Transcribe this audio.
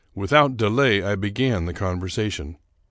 Without delay I began the conversation.